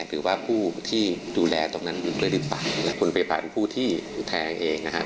หรือว่าผู้ที่ดูแลตรงนั้นอยู่ด้วยหรือเปล่าคุณพยาบาลผู้ที่แทงเองนะครับ